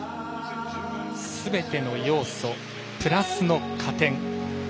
すべての要素でプラスの加点。